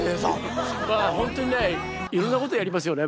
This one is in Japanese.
まあ本当にねいろんなことやりますよね